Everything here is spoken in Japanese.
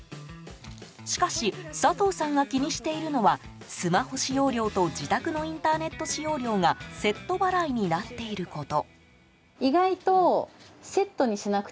しかし佐藤さんが気にしているのはスマホ使用料と自宅のインターネット使用料がセット払いになっていること。